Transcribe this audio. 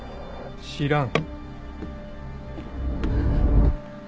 知らん。